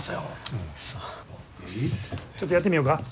ちょっとやってみよか。